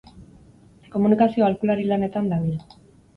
Komunikazio aholkulari lanetan dabil.